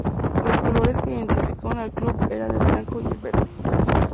Los colores que identificaron al club eran el blanco y el verde.